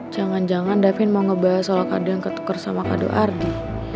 jangan jangan davin mau ngebahas soal kadang ketuker sama kado ardi